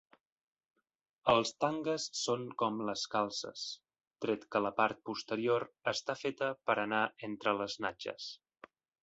Els tangues són com les calces, tret que la part posterior està feta per anar entre les natges.